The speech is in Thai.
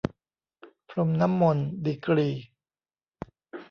พรมน้ำมนต์ ดีกรี